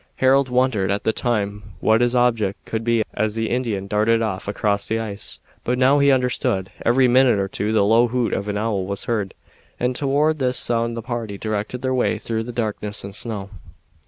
Harold wondered at the time what his object could be as the Indian darted off across the ice, but now he understood. Every minute or two the low hoot of an owl was heard, and toward this sound the party directed their way through the darkness and snow.